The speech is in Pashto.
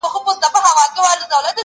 o پرتكه سپينه پاڼه وڅڅېدې.